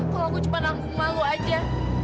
kalau aku cuma rampung malu aja